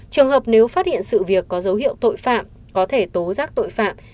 trường hợp nếu phát hiện sự việc có dấu hiệu tội phạm có thể tố giác tội phạm